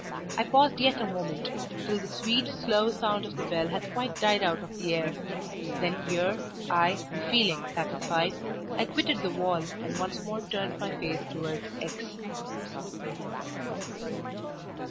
I paused yet a moment, till the sweet, slow sound of the bell had quite died out of the air; then ear, eye and feeling satisfied, I quitted the wall and once more turned my face towards X